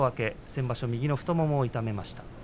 先場所、右の太ももを痛めました。